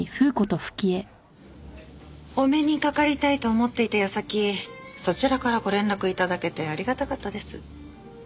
お目にかかりたいと思っていた矢先そちらからご連絡頂けてありがたかったです。